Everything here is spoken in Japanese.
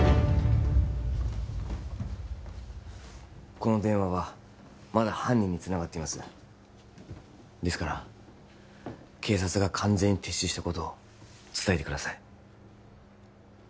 この電話はまだ犯人につながっていますですから警察が完全に撤収したことを伝えてください